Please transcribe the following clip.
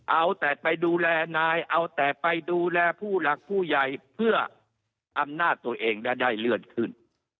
เอาแต่ไปดูแลนายเอาแต่ไปดูแลผู้หลักผู้ใหญ่เพื่ออำนาจตัวเองและได้เลื่อนขึ้น